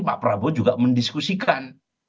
pak prabowo juga mendiskusikan